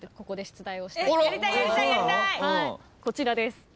こちらです。